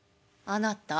あなた。